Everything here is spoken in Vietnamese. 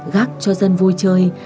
gác cho dân vui chơi